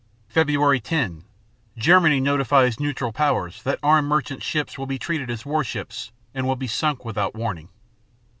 Feb. 10 Germany notifies neutral powers that armed merchant ships will be treated as warships and will be sunk without warning.